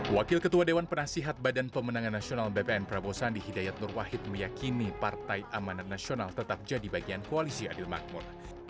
wakil ketua dewan penasihat badan pemenangan nasional bpn prabowo sandi hidayat nur wahid meyakini partai amanat nasional tetap jadi bagian koalisi adil makmur